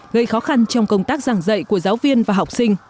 gây khó khăn trong công tác giảng dạy của giáo viên và học sinh